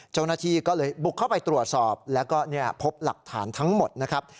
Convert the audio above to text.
เจ้าหน้าที่ก็เลยบุกเข้าไปตรวจสอบแล้วก็พบหลักฐานทั้งหมดนะครับ